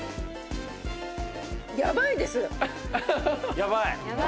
やばい？